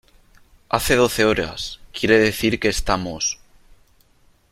hace doce horas , quiere decir que estamos